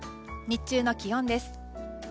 日中の気温です。